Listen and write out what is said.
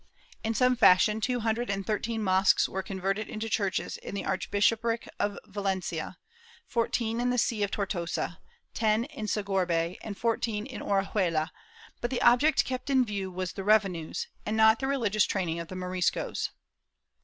^ In some fashion, two hundred and thirteen mosques were converted into churches in the arch bishopric of Valencia, fourteen in the sec of Tortosa, ten in Segorbe and fourteen in Orihuela, but the object kept in view was the reve nues, and not the religious training of the Moriscos.